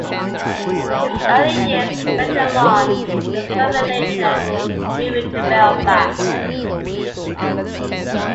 His early years were spent in Larne, with the family later moving to Belfast.